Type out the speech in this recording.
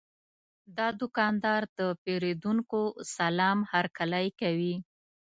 دا دوکاندار د پیرودونکو سلام هرکلی کوي.